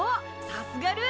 さすがルー！